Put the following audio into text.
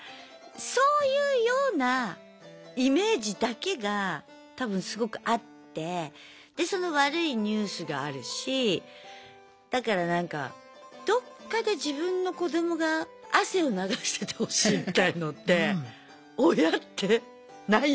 そういうようなイメージだけが多分すごくあってでその悪いニュースがあるしだからなんかどっかで自分の子どもが汗を流しててほしいみたいのって親ってない？